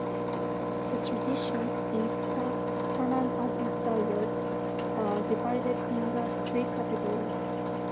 The traditions in "Sunan Abu Dawud" are divided in three categories.